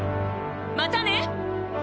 またね！